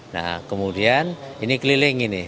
nah kemudian ini kelilingi nih